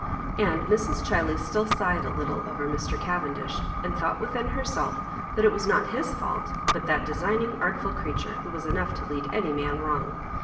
And Mrs. Chiley still sighed a little over Mr. Cavendish, and thought within herself that it was not his fault, but that designing, artful creature, who was enough to lead any man wrong.